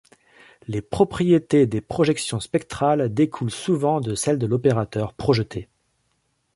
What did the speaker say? Les propriétés des projections spectrales découlent souvent de celles de l'opérateur projeté.